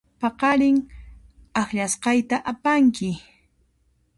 Paqarin akllasqayta apanki.